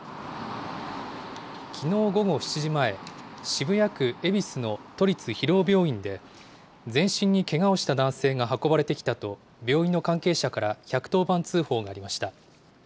きのう午後７時前、渋谷区恵比寿の都立広尾病院で、全身にけがをした男性が運ばれてきたと、病院の関係者から１１０番通報がありました。